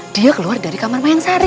dia keluar dari kamar mayang sari